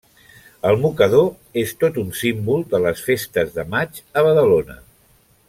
El mocador és tot un símbol de les Festes de Maig a Badalona.